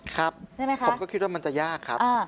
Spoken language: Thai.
ครับผมก็คิดว่ามันจะยากครับ